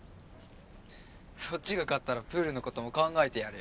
そっちが勝ったらプールのことも考えてやるよ。